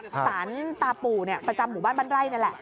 สารตาปู่ประจำหมู่บ้านบ้านไร่นี่แหละ